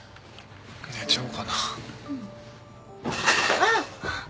あっ。